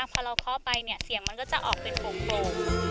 พอเราเคาะไปเนี่ยเสียงมันก็จะออกเป็นโป่ง